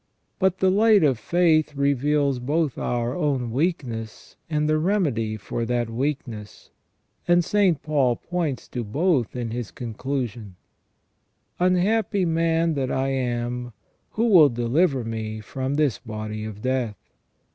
But the light of faith reveals both our own weakness and the remedy for that weakness, and St Paul points to both in his con clusion: "Unhappy man that I am, who will deliver me from this body of death